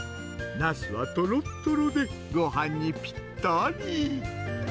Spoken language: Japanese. なすはとろっとろでごはんにぴったり。